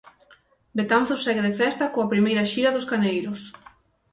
Betanzos segue de festa coa primeira xira dos Caneiros.